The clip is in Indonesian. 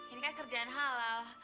ini kan kerjaan halal